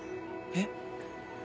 えっ？